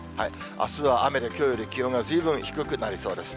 あすは雨できょうより気温がずいぶん低くなりそうです。